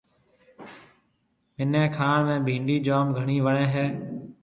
ميني کائڻ ۾ ڀِنڊِي جوم گھڻِي وڻيَ هيَ۔